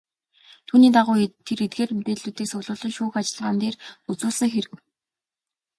Түүний дагуу тэр эдгээр мэдээллийг цуглуулан шүүх ажиллагаан дээр үзүүлсэн хэрэг.